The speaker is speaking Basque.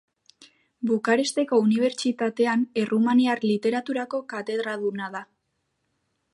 Bukaresteko Unibertsitatean Errumaniar Literaturako katedraduna da.